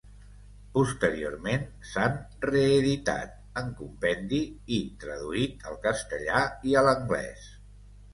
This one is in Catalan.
Posteriorment s'han reeditat en compendi, i traduït al castellà i a l'anglès.